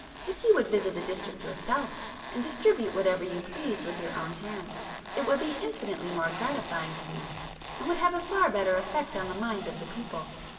If you would visit the district yourself, and distribute whatever you pleased with your own hand, it would be infinitely more gratifying to me, and would have a far better effect on the minds of the people.